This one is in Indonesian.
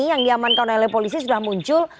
yang diamankan oleh polisi sudah muncul